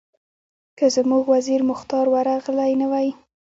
که زموږ وزیر مختار ورغلی نه وای.